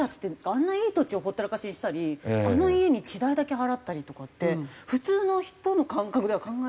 あんないい土地をほったらかしにしたりあの家に地代だけ払ったりとかって普通の人の感覚では考えられないんですけど。